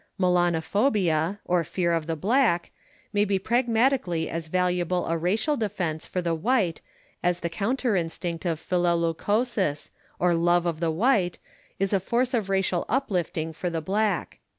Melanophobia, or fear of the black, may be pragmatically as valuable a racial defence for the white as the counter instinct of philoleucosis, or love of the white, is a force of racial uplifting for the black.